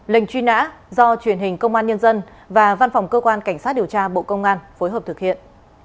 lệnh truy nã do truyền hình công an nhân dân và văn phòng cơ quan cảnh sát điều tra bộ công an phối hợp thực hiện